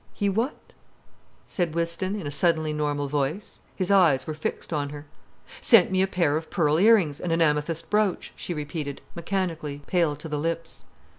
"He what?" said Whiston, in a suddenly normal voice. His eyes were fixed on her. "Sent me a pair of pearl ear rings, and an amethyst brooch," she repeated, mechanically, pale to the lips.